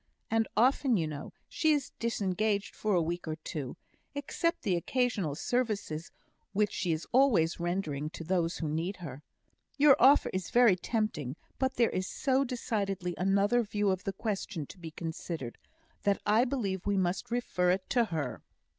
And often, you know, she is disengaged for a week or two, except the occasional services which she is always rendering to those who need her. Your offer is very tempting, but there is so decidedly another view of the question to be considered, that I believe we must refer it to her."